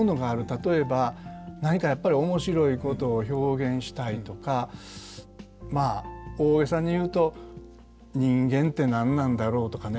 例えば何かやっぱり面白いことを表現したいとかまあ大げさに言うと「人間て何なんだろう？」とかね